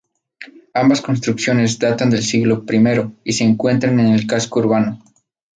Ambas construcciones datan del siglo I y se encuentran en el casco urbano.